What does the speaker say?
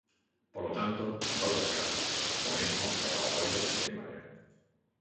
Polo tanto, doulle as grazas, o mesmo que ao apoio de En Marea.